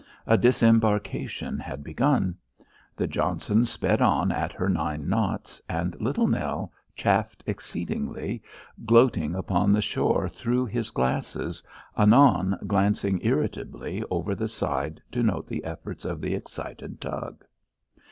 A disembarkation had begun. The Johnson sped on at her nine knots, and Little Nell chafed exceedingly, gloating upon the shore through his glasses, anon glancing irritably over the side to note the efforts of the excited tug.